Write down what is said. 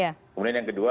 kemudian yang kedua